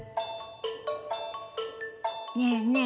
ねえねえ